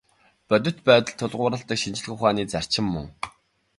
Бодит байдалд тулгуурладаг нь шинжлэх ухааны зарчим мөн.